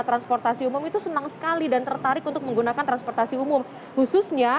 transportasi umum itu senang sekali dan tertarik untuk menggunakan transportasi umum khususnya